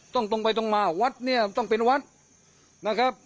ตรงตรงไปตรงมาวัดเนี่ยต้องเป็นวัดนะครับ